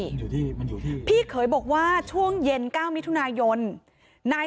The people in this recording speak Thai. ที่มันอยู่ที่พี่เขยบอกว่าช่วงเย็น๙มิธุนายนนาย